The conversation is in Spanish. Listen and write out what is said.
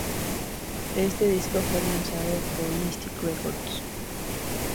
Este disco fue lanzado por Mystic Records.